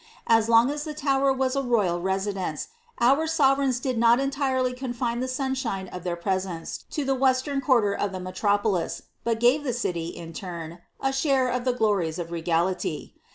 Aa long as the Tower was a rnyal residence, our sof ereigns did not entirely confine the sunshine of their presence to the western quarter of the metropolis, but gave the city, in ttirn, a share of the glories of reality.